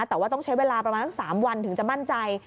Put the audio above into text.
แต่ว่าต้องใช้เวลาประมาณสัก๓วันถึงจะมั่นใจ